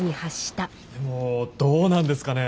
でもどうなんですかね？